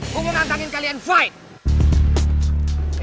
gue mau nantangin kalian fight